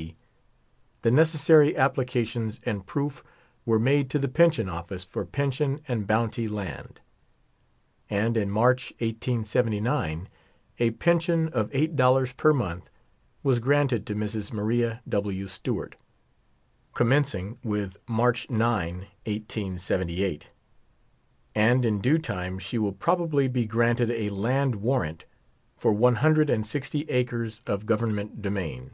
C, the necessary appli cations and proof were made to the Pension Office for pension and bounty land ; and in March, 1879, a pension of |8 per month was granted to Mrs. Maria W. Stewart,, commencing with March 9, 1878 ; and in due time she will probably be granted a land warrant for one hundred and sixty acres of Government domain.